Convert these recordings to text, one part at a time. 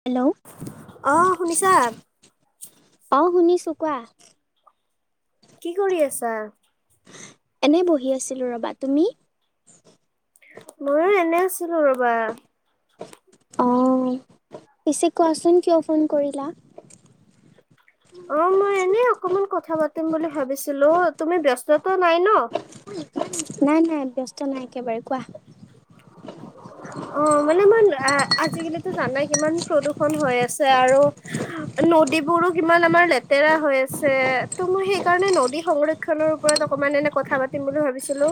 Hello অ শুনিছা অ শুনিছো। কোৱা? কি কৰি আছা? এনে বহি আছিলো ৰবা। তুমি? মইয়ো এনে আছিলো ৰবা। অঁ, পিছে কোৱাচোন কিয় ফোন কৰিলা? অ মই এনে অকমান কথা পাতিম বুলি ভাবিছিলো, তুমি ব্যস্তত নাই ন? নাই নাই ব্যস্ত নাই একেবাৰে, কোৱা? অ মানে মই আ আজিকালিতো জানা কিমান প্ৰদূষণ হৈ আছে আৰু নদীবোৰো কিমান আমাৰ লেতেৰা হৈ আছে? ত' মই সেইকাৰণে নদী সংৰ ক্ষনৰ ওপৰত অকমান এনে কথা পাতিম বুলি ভাবিছিলো?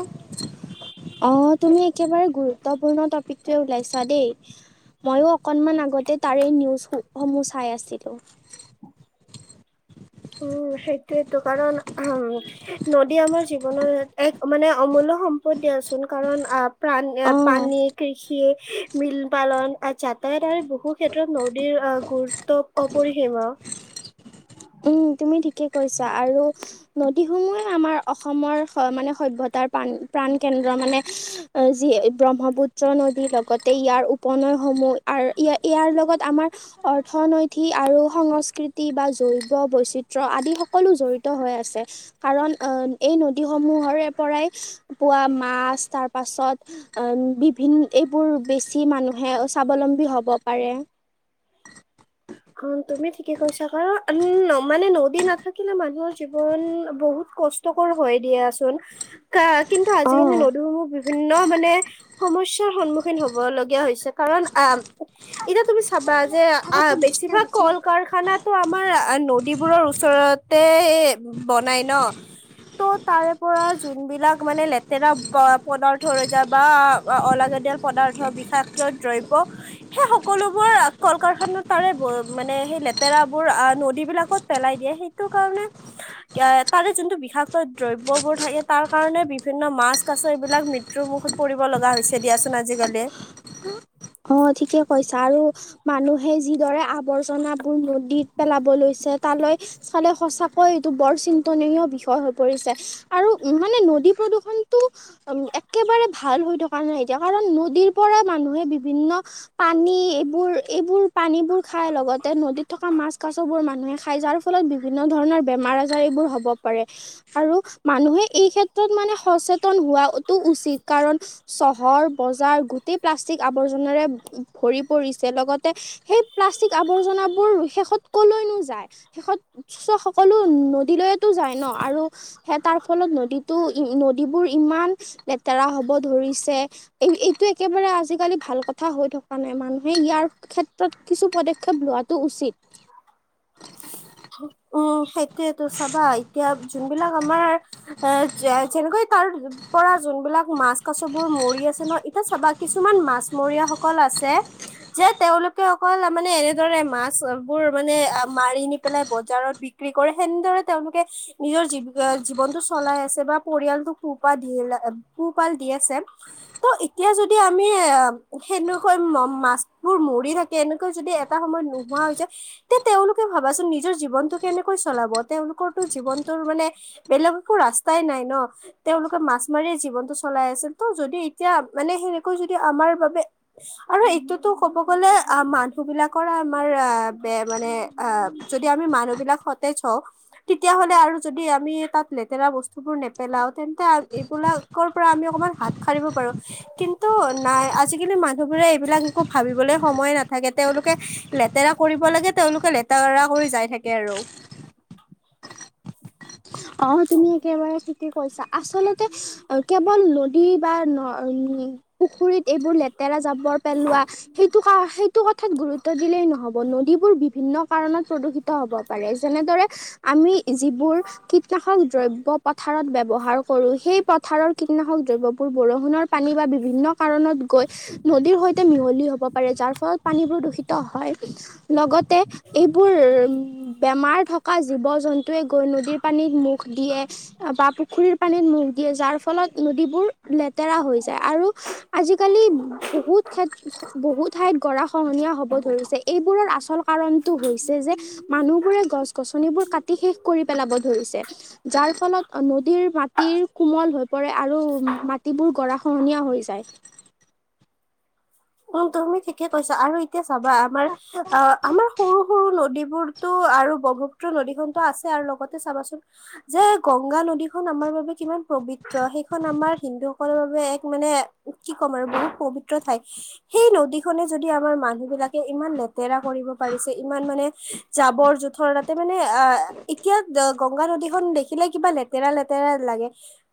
অ, তুমি একেবাৰে গুৰুত্বপূৰ্ণ টপিকটোৱে ওলাইছা দেই ময়ো অকণমান আগতে তাৰে নিউজ সু সমূহ চাই আছিলোঁ। উম সেইটোৱেইটো কাৰণ আমি নদী আমাৰ জীৱনৰ এক মানে অমূল্য সম্পদ দিয়াচোন কাৰণ আহ তা নিয়া অ পানী, কৃষি মীল পালন আ যাতায়াত আৰু বহু ক্ষেত্ৰত নদীৰ আ গুৰুত্ব অপৰিসীম। উম, তুমি ঠিকেই কৈছা আৰু নদীসমূহে আমাৰ অসমৰ স মানে সভ্যতাৰ প্ৰাণ প্ৰাণকেন্দ্ৰ মানে আ যি ব্ৰহ্মপুত্ৰ নদীৰ লগতে ইয়াৰ উপনৈসমূহ আৰু ইয়া ইয়াৰ লগত আমাৰ অৰ্থনৈতি আৰু সংস্কৃতি বা জৈ ৱবৈচিত্ৰ আদি সকলো জড়িত হৈ আছে। কাৰণ অ এই নদীসমূহৰে পৰাই পোৱা মাছ তাৰ পাছত আ বিভিন এইবোৰ বেছি মানুহে স্বাৱলম্বী হব পাৰে। অ', তুমি ঠিকে কৈছা কাৰন উম মানে নদী নাথাকিলে মানুহৰ জীৱন বহুত কস টকৰ হৈ দিয়াচোন কা কিন্তু আজিকালি অ'। নদুসমূহ বিভিন্ন মানে সমস্যাৰ সন্মুখীন হব লগীয়া হৈছে কাৰণ আহ এতিয়া তুমি চাবা যে আহ এ খানাটো আমাৰ আ নদীবোৰৰ ওচৰতে বনাই ন ত', তাৰে পৰা যোনবিলাক মানে লেতেৰা প পদাৰ্থ ৰৈ যায় বা অ অলাগতিয়াল পদাৰ্থ, বিষাক্ত দ্ৰব্য সেই সকলোবোৰ কল - কাৰখানাত তাৰে বো মানে সেই লেতেৰাবোৰ আ নদীবিলাকত পেলাই দিয়ে সেইটো কাৰণে দিয়া, তাৰে যোনটো বিষাক্ত দ্ৰব্যবোৰ থাকে তাৰ কাৰণে বিভিন্ন মাছ - কাছ এইবিলাক মৃত্যুৰ মুখত কৰিব লগা হৈছে দিয়াচোন আজিকালি। অ ঠিকে কৈছা আৰু মানুহে যিদৰে আৱৰ্জনাবোৰ নদীত পেলাব লৈছে তালৈ চালে সঁচাকৈ এইটো বৰ চিন্তনীয় বিষয় হৈ পৰিছে আৰু মানে নদী প্ৰদূৰ্ষণটো অম একেবাৰে ভাল হৈ থকা নাই এতিয়া কাৰণ নদীৰ পৰা মানুহে বিভিন্ন পানী এইবোৰ এইবোৰ পানীবোৰ খাই লগতে নদীত থকা মাছ, কাছবোৰ মানুহে খাই যাৰ ফলত বিভিন্ন ধৰণৰ বেমাৰ - আজাৰ এইবোৰ হ'ব পাৰে আৰু মানুহে এই ক্ষেত্ৰত মানে সচেতন হোৱাটো উচিত কাৰণ চহৰ, বজাৰ গোটেই প্লাষ্টিক আৱৰ্জনাৰে ভৰি পৰিছে। লগতে সেই প্লাষ্টিক আৱৰ্জনাবোৰ শেষত কলৈ নো যায় শেষত উচ্চ সকলো নদীলৈয়েতো যায় ন আৰু সে তাৰ ফলত নদীতো ই ই নদীবোৰ ইমান লেতেৰা হব ধৰিছে এই এইটো একেবাৰে আজি কালি ভাল কথা হৈ থকা নাই, মানুহে ইয়াৰ ক্ষেত্ৰত কিছু পদক্ষেপ লোৱাটো উচিত। উম সেইটোয়েতো চাবা এতিয়া যোনবিলাক আমাৰ এ যে যেনেকৈ তাৰ পৰা যোনবিলাক মাছ, কাছবোৰ মৰি আছে ন এতিয়া চাবা কিছুমান মাছমৰীয়াসকল আছে যে তেওঁলোকে অকল মানে এনেদৰে মাছবোৰ মানে মাৰি নি পেলাই বজাৰত বিক্ৰী কৰে সেনেদৰে তেওঁলোকে নিজৰ জীৱ জীৱনটো চলাই আছে বা পৰিয়ালটোক পোহ পা দিলে পোহপাল দি আছে। ত এতিয়া যদি আমি সেনেকৈ মাছবোৰ মৰি থাকে। তেনেকৈ যদি এটা সময়ত নোহোৱা হৈ যায় তেতিয়া তেওঁলোকে ভাবাচোন নিজ নিজৰ জীৱনটো কেনেকৈ চলাব তেওঁলোকৰতো জীৱনটোৰ মানে বেলেগ একো ৰাস্তাই নাই ন তেওঁলোকে মাছ মাৰিয়ে জীৱনটো চলাই আছিল ত যদি এতিয়া মানে সেনেকৈ যদি আমাৰ বাবে আৰু এইটোতো ক'ব গ'লে আ মানুহ বিলাকৰ আমাৰ আহ বেয়া মানে আ যদি আমি মানুহ বিলাক সতেচ হওঁ তেতিয়াহ'লে আৰু যদি আমি তাত লেতেৰা বস্তুবোৰ নেপেলাও তেন্তে আ এইবিলাক কৰ পৰা আমি অকণমান হাত সাৰিব পাৰো। কিন্তু নাই আজিকালি মানুহবোৰে এইবিলাক একো ভাবিবলে সময়ে নাথাকে তেওঁলোকে লেতেৰা কৰিব লাগে তেওঁলোকে লেতেৰা কৰি যাই থাকে আৰু অ তুমি একেবাৰে ঠিকেই কৈছা আচলতে কেৱল নদী বা ন উম পুখুৰীত এইবোৰ লেতেৰা জাবৰ পেলোৱা সেইটো খা সেইটো কথাত গুৰুত্ব দিলেই নহ'ব নদীবোৰ বিভিন্ন কাৰণত প্ৰদূষিত হ'ব পাৰে যেনেদৰে আমি যিবোৰ কীটনাশক দ্ৰব্য পথাৰত ব্যৱহাৰ কৰো সেই পথাৰৰ কীটনাশক দ্ৰব্যবোৰ বৰষুণৰ পানী বা বিভিন্ন কাৰণত গৈ নদীৰ সৈতে মিহলি হ'ব পাৰে যাৰ ফলত পানীবোৰ দূষিত হয়। লগতে এইবোৰ বেমাৰ থকা জীৱ জন্তুৱে গৈ নদীৰ পানীত মুখ দিয়ে বা পুখুৰীৰ পানীত মুখ দিয়ে যাৰ ফলত নদীবোৰ লেতেৰা হৈ যায় আৰু আজিকালি বহুত ঠাইত বহু ঠাইত গৰা খহনীয়া হব ধৰিছে এইবোৰৰ আচল কাৰনটো হৈছে যে মানুহ বোৰে গছ গছনিবোৰ কাটি শেষ কৰি পেলাব ধৰিছে। যাৰ ফলত নদীৰ মাটিৰ কোমল হৈ পৰে আৰু মাটিবোৰ গৰা খহনীয়া হৈ যায়। উম তুমি ঠিকে কৈছা আৰু এতিয়া চাবা আমাৰ অ আমাৰ সৰু সৰু নদীবোৰতো আৰু ব্ৰক্ষপুত্ৰ নদী খনতো আছে আৰু লগতে চাবাচোন যে গংগা নদীখন আমাৰ বাবে কিমান পবিত্ৰ সেইখন আমাৰ হিন্দু সকলৰ বাবে এক মানে কি ক'ম আৰু বহুত পবিত্ৰ ঠাই। সেই নদীখনে যদি আমাৰ মানুহ বিলাকে ইমান লেতেৰা কৰিব পাৰিছে ইমান মানে জাবৰ জোথৰ তাতে মানে অ এতিয়া গংগা নদীখন দেখিলে কিবা লেতেৰা লেতেৰা লাগে।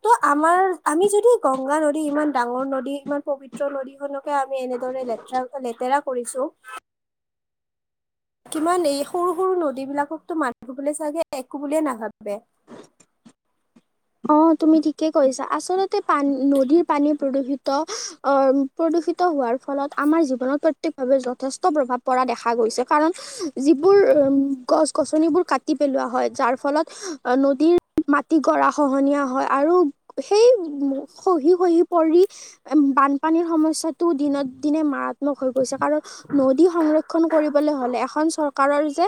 ত আমাৰ আমি যদি গংগা নদী ইমান ডাঙৰ নদী ইমান পবিত্ৰ নদীখনকে আমি এনেদৰে লেতেৰা লেতেৰা কৰিছো। কিমান এই সৰু সৰু নদীবিলাকতো মানুহবোৰে চাগে একো বুলিয়ে নাভাবে অ তুমি ঠিকে কৈছা আচলতে পানী নদীৰ পানী প্ৰদূষিত ত প্ৰদূষিত হোৱাৰ ফলত আমাৰ জীৱনত প্ৰত্যেকভাৱে যথেষ্ট প্ৰভাৱ পৰা দেখা গৈছে কাৰণ যিবোৰ উ গছ গছনিবোৰ কাটি পেলোৱা হয় যাৰ ফলত নদীৰ মাটি গৰা খহনীয়া হয় আৰু সেই খহি খহি পৰি বানপানীৰ সমস্যাটো দিনক দিনে মাৰাত্মক হৈ গৈছে কাৰণ নদী সংৰক্ষন কৰিবলে হলে এখন চৰকাৰৰ যে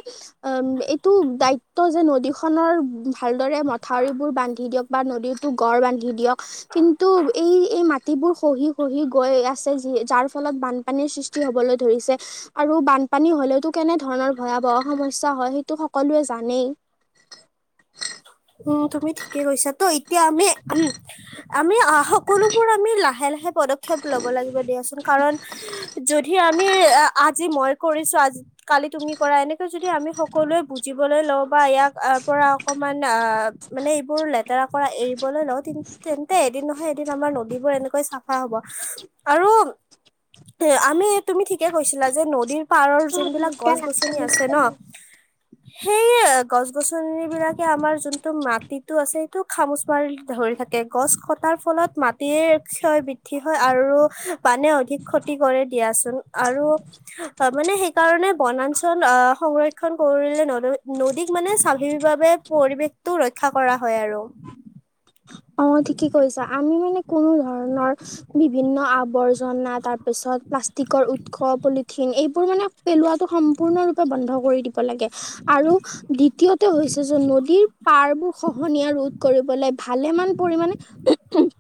উম এইটো দায়িত্ব যে নদীখনৰ ভালদৰে মথাউৰিবোৰ বান্ধি দিয়ক বা নদীৰতো গড় বান্ধি দিয়ক। কিন্তু এই এই মাটিবোৰ খহি খহি গৈ আছে যি যাৰ ফলত বান পানীৰ সৃষ্টি হবলৈ ধৰিছে। আৰু বানপানী হলেওতো কেনে ধৰণৰ ভয়াৱহ সমস্যা হয় সেইটো সকলোৱে জানেই। উম তুমি ঠিকে কৈছা তো এতিয়া আমি উম। আমি আহ সকলোবোৰ আমি লাহে লাহে পদক্ষেপ লব লাগিব দিয়াচোন কাৰণ যধি আমি আ আজি মই কৰিছো আজ কালি তুমি কৰা এনেকে যদি আমি সকলোৱে বুজিবলৈ লওঁ বা ইয়াক পৰা অকণমান আ মানে এইবোৰ লেতেৰা কৰা এৰিবলৈ লওঁ তেন তেন্তে এদিন নহয় এদিন আমাৰ নদীবোৰ এনেক কৈ চাফা হব আৰু এ আমি তুমি ঠিকে কৈছিলা যে নদীৰ পাৰৰ যোনবিলাক গছ গছনি আছে ন সেই গছ গছনিবিলাক এ আমাৰ যোনটো মাটিটো আছে সেইটো খামুচ মাৰি ধৰি থাকে গছ কটাৰ ফলত মাট টিয়ে ক্ষয় বৃদ্ধি হয় আৰু পানীয়ে অধিক ক্ষতি কৰে দিয়াচোন আৰু আ মানে সেইকাৰণে বনাঞ্চল আহ সংৰক্ষন কৰিলে নদ নদীক মানে স্বাভাৱিকভাৱে পৰিৱেশটো ৰক্ষা কৰা হয় আৰু। অ ঠিকে কৈছা আমি মানে কোনো ধৰণৰ বিভিন্ন আৱৰ্জনা তাৰ পিছত প্লাষ্টিকৰ উৎস পলিথিন এইবোৰ মানে পেলোৱাটো সম্পূৰ্ণৰূপে বন্ধ কৰি দিব লাগে। আৰু দ্বিতীয়তে হৈছে যে নদীৰ পাৰবোৰ খহনীয়া ৰোধ কৰিবলে ভালেমান পৰিমাণে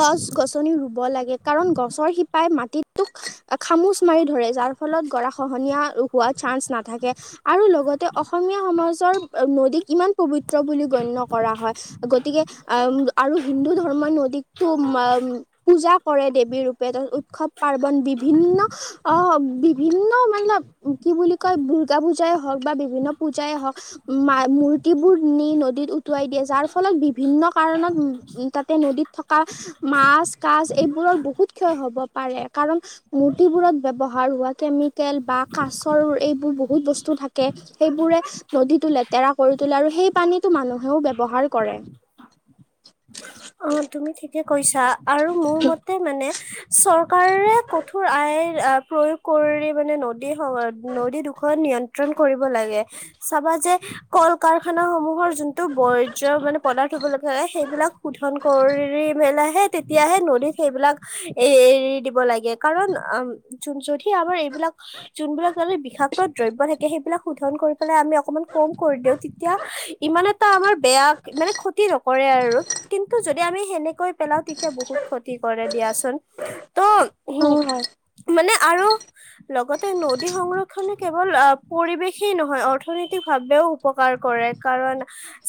গছ গছনি ৰুব লাগে কাৰণ গছৰ শিপাই মাটিটোক আ খামুচ মাৰি ধৰে যাৰ ফলত গৰা খহনীয়া হোৱাৰ চান্স নাথাকে। আৰু লগতে অসমীয়া সমাজৰ অ নদীক ইমান পবিত ত্ৰ বুলি গণ্য কৰা হয় গতিকে আম আৰু হিন্দু ধৰ্মই নদীকটো মাম পূজা কৰে দেৱী ৰূপে ত উৎসৱ পাৰ্বন বিভিন্ন আহ বিভিন্ন মতলব কি বুলি কয় দূৰ্গা পূজাই হওক বা বিভিন্ন পূজাই হওক মা মূৰ্তিবোৰ নি নদীত উটুৱাই দিয়ে যাৰ ফ ফলত বিভিন্ন কাৰণত উম তাতে নদীত থকা মাছ কাছ এইবোৰৰ বহুত ক্ষয় হ'ব পাৰে কাৰণ মূৰ্তিবোৰত ব্যৱহাৰ হোৱা কেমিকেল বা কাচৰ এইবোৰ বহুত বস্তু থাকে সেইবোৰে নদীতো লেতেৰা কৰি তোলে আৰু সেই পানীটো মানুহেও ব্যৱহাৰ কৰে অ তুমি ঠিকে কৈছা আৰু মোৰ মতে মানে চৰ কাৰে কঠোৰ আইন আ প্ৰয়োগ কৰি মানে নদ দী সময়ত নদী দুখন নিয়ন্ত্ৰণ কৰিব লাগে চাবা যে কল কাৰখানা সমূহৰ যোনটো বৰ্জ্য মানে পদাৰ্থ হ'ব লাগে সেইবিলাক শোধন কৰি মেলাইহে তেতিয়াহে নদীত সেইবিলাক এ এৰি দিব লাগে কাৰণ আম যোন যধি আমাৰ এইবিলাক যোনবিলাক কালি বিষাক্ত দ্ৰব্য থাকে সেইবিলাক শোধন কৰি পেলাই আমি অকমান কম কৰি দিও তেতিয়া ইমান এটা আমাৰ বেয়া মানে ক্ষতি নকৰে আৰু কিন্তু যদি আমি হেনেকৈ পেলাও তেতিয়া বহুত ক্ষতি কৰে দিয়াচোন ত' অ মানে আৰু লগতে নদী সংৰক্ষনে কেৱল আহ পৰিৱেশেই নহয় অৰ্থনৈতিক ভাৱেও উপকাৰ কৰে কাৰণ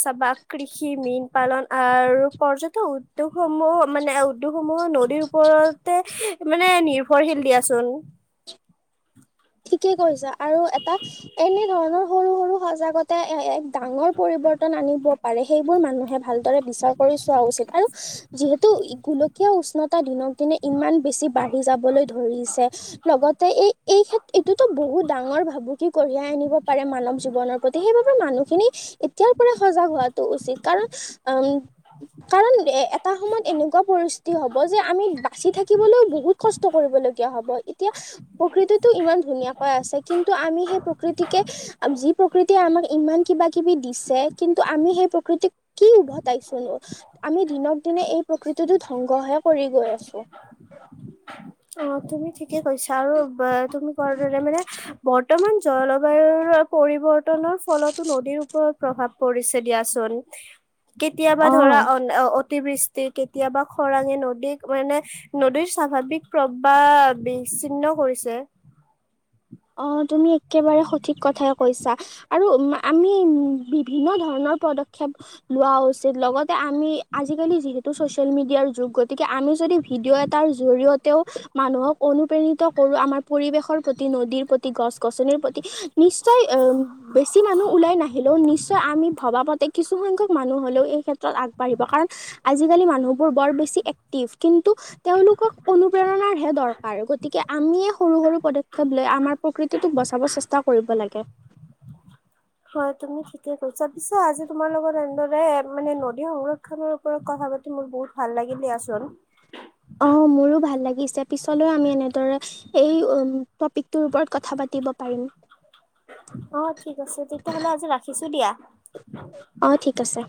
চাবা কৃষি মীন পালন আৰু পৰ্যটন উদ্যোগসমূহ মানে উদ্যোগসমূহো নদীৰ ওপৰতে মানে নিৰ্ভৰশীল দিয়াচোন ঠিকে কৰিছা আৰু এটা এনে ধৰণৰ সৰু সৰু সজাগতাই এ এক ডাঙৰ পৰিবৰ্তন আনিব পাৰে সেইবোৰ মানুহে ভাল কাৰে বিচাৰ কৰি চোৱা উচিত আৰু যিহেতু গোলকীয় উষ্ণতা দিনক দিনে ইমান বেছি বাঢ়ি যাবলৈ ধৰিছে লগতে এই এই ক্ষেত্ৰ এইটোতো বহুত ডাঙৰ ভাবুকি কঢ়িয়াই আনিব পাৰে মানৱ জীৱনৰ প্ৰতি সেইবাবে মানুহখিনি এতিয়াৰ পৰাই সজাগ হোৱাটো উচিত কাৰণ উম কাৰণ এটা সময়ত এনেকুৱা পৰিস্থিতি হ'ব যে আমি বাচি থাকিবলৈও বহুত কষ্ট কৰিবলগীয়া হ'ব এতিয়া টো ইমান ধুনীয়াহৈ আছে কিন্তু আমি সেই প্ৰকৃতিকে যি প্ৰকৃতিয়ে আমাক ইমান কিবা কিবি দিছে কিন্তু আমি সেই প্ৰকৃতিক কি উভতাইছো আমি দিনক দিনে এই প্ৰকৃতিটো ধ্বংসহে কৰি গৈ আছো অ তুমি ঠিকে কৈছা আৰু তুমি কোৱাৰ দৰে মানে বৰ্তমান জলবায়ুৰ পৰিৱৰ্তনৰ ফলতো নদীৰ ওপৰত প্ৰভাৱ পৰিছে দিয়াচোন কেতিয়াবা অ ধৰা অন অতিবৃষ্ট ষ্টি কেতিয়াবা খৰাঙে নদীক মানে নদীৰ স্বাভাৱিক প্ৰবাহ বিচ্ছিন্ন কৰিছে অ তুমি একেবাৰে সঠিক কথাই কৈছা আৰু উ আমি উম বিভিন্ন ধৰণৰ পদক্ষেপ লোৱা উচিত লগত এ আমি আজিকালি যিহেতু ছ'চিয়েল মিডিয়াৰ যুগত গতিকে আমি যদি ভিডিঅ' এটাৰ জৰিয়তেও মানুহক অনুপ্ৰেৰিত কৰো আমাৰ পৰিৱেশৰ প্ৰতি নদীৰ প্ৰতি গছ গছনিৰ প্ৰতি নিশ্চয় অম বেছি মানুহ ওলাই নাহিলেও নিশ্চয় আমি ভবা প্ৰত্যেক কিছুসংখ্যক মানুহ হ'লেও এই ক্ষেত্ৰত আগবাঢ়িব কাৰণ আজিকালি মানুহবোৰ বৰ বেছি এক্টিভ কিন্তু তেওঁলোকক অনুপ্ৰেৰণাৰ হে দৰকাৰ গতিকে আমিয়ে সৰু সৰু পদক্ষেপ লৈ আমাৰ এইটো টো বচাব চেষ্টা কৰিব লাগে হয় তুমি ঠিকে কৈছা পিছে আজি তোমাৰ লগত এনেদৰে মানে নদী সংৰক্ষণৰ। কথা পাতি মোৰ বহুত ভাল লাগিল দিয়া চোন। অ মোৰো ভাল লাগিছে পিছলৈও আমি এনেদৰে এই উ টপিক ৰ ওপৰত কথা পাতি। দিব পাৰিম। অ ঠিক আছে তেতিয়াহ'লে আজি ৰাখিছো দিয়া। অ ঠিক আছে।